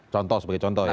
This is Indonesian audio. contoh sebagai contoh ya